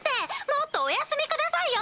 もっとお休み下さいよ！